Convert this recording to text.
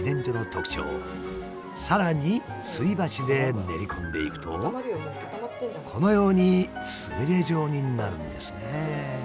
さらにすり鉢で練り込んでいくとこのようにつみれ状になるんですね。